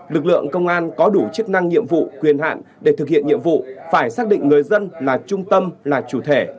lực lượng công an có đủ chức năng nhiệm vụ quyền hạn để thực hiện nhiệm vụ phải xác định người dân là trung tâm là chủ thể